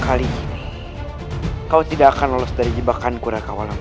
kali ini kau tidak akan lolos dari jebakan kurang kawalan